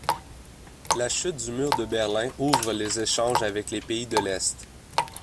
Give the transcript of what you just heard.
La chute du mur de Berlin ouvre les échanges avec les pays de l'est.